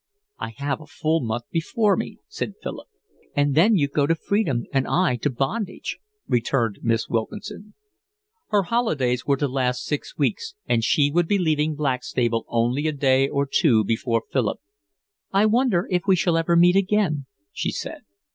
"I have a full month before me," said Philip. "And then you go to freedom and I to bondage," returned Miss Wilkinson. Her holidays were to last six weeks, and she would be leaving Blackstable only a day or two before Philip. "I wonder if we shall ever meet again," she said.